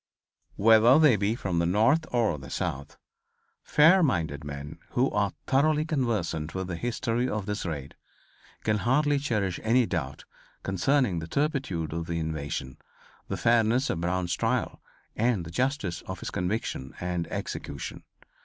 Whether they be from the North or the South, fair minded men, who are thoroughly conversant with the history of this raid, can hardly cherish any doubt concerning the turpitude of the invasion, the fairness of Brown's trial and the justice of his conviction and execution.